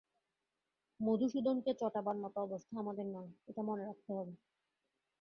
মধুসূদনকে চটাবার মতো অবস্থা আমাদের নয়, এটা মনে রাখতে হবে।